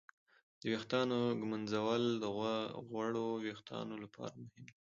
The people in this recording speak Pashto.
د ویښتانو ږمنځول د غوړو وېښتانو لپاره مهم دي.